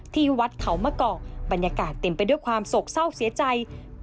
ที่วัดเขามะกอกบรรยากาศเต็มไปด้วยความโศกเศร้าเสียใจ